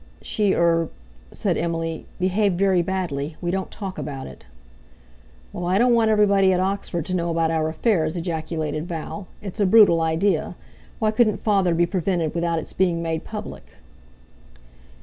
"She—er...." said Emily, "behaved very badly. We don't talk about it." "Well, I don't want everybody at Oxford to know about our affairs," ejaculated Val; "it's a brutal idea. Why couldn't father be prevented without its being made public?"